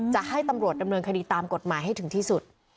จะให้ตำรวจดำเนินคดีตามกฎหมายให้ถึงที่สุด